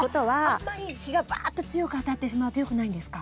あんまり日がバーッて強く当たってしまうと良くないんですか？